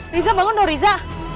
riza bangun dong riza